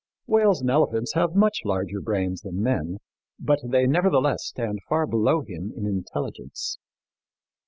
Whales and elephants have much larger brains than men, but they nevertheless stand far below him in intelligence.